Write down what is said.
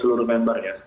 seluruh member ya